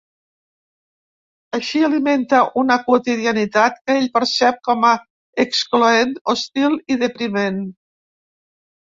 Així alimenta una quotidianitat que ell percep com a excloent, hostil i depriment.